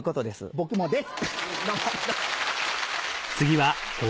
僕もです！